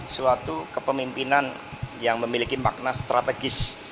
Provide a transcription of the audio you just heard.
suatu kepemimpinan yang memiliki makna strategis